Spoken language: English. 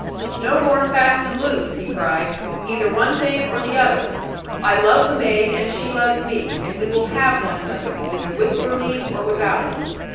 'No more fast and loose,' he cried. 'either one thing or the other. I love the maid, and she loves me; and we will have one another, either with your leave, or without it.